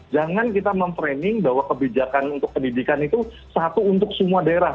jangan kita memframing bahwa kebijakan untuk pendidikan itu satu untuk semua daerah